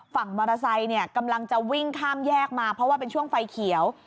ฝั่งมอเตอร์ไซค์เนี่ยกำลังจะวิ่งข้ามแยกมาเพราะว่าเป็นช่วงไฟเขียว